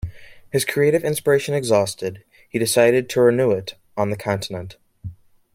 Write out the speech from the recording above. His creative inspiration exhausted, he decided to renew it on the continent.